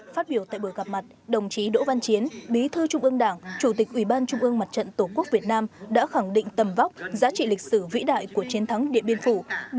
phát biểu tại buổi gặp mặt đồng chí đỗ văn chiến bí thư trung ương đảng chủ tịch ủy ban trung ương mặt trận tổ quốc việt nam đã khẳng định tầm vóc giá trị lịch sử vĩ đại của chiến thắng điện biên phủ